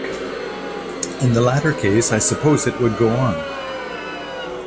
In the latter case I suppose it would go on